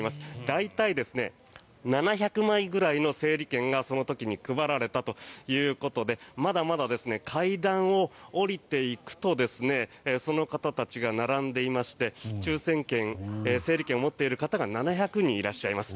大体７００枚ぐらいの整理券がその時に配られたということでまだまだ階段を下りていくとその方たちが並んでいまして抽選券、整理券を持っている方が７００人いらっしゃいます。